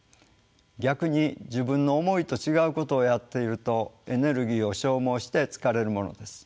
逆に自分の思いと違うことをやっているとエネルギーを消耗して疲れるものです。